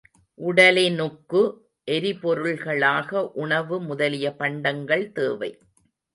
உடலினுக்கு எரிபொருள்களாக உணவு முதலிய பண்டங்கள் தேவை.